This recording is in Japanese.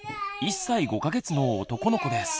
１歳５か月の男の子です。